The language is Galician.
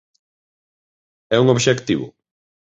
É un obxectivo?